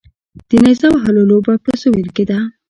د نیزه وهلو لوبه په سویل کې ده